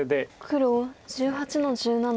黒１８の十七。